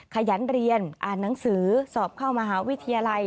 ขยันเรียนอ่านหนังสือสอบเข้ามหาวิทยาลัย